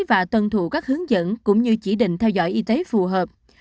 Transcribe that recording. và tuân thủ các hướng dẫn cũng như chỉ định theo dõi y tế phù hợp